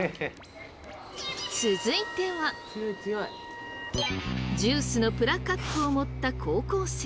続いてはジュースのプラカップを持った高校生。